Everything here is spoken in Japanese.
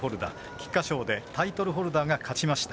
菊花賞でタイトルホルダーが勝ちました。